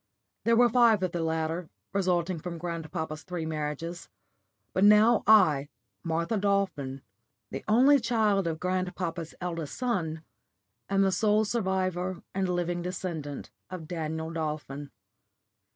There were five of the latter, resulting from grandpapa's three marriages; but now I, Martha Dolphin, the only child of grandpapa's eldest son, am the sole survivor and living descendant of Daniel Dolphin.